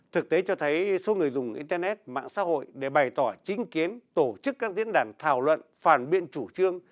thực tế cho thấy số người dùng internet mạng xã hội để bày tỏ chính kiến tổ chức các diễn đàn thảo luận phản biện chủ trương